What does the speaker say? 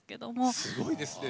すごいですね。